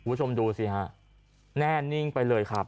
คุณผู้ชมดูสิฮะแน่นิ่งไปเลยครับ